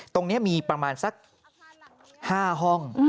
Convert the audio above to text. ตรงนี้มีประมาณสัก๕ห้อง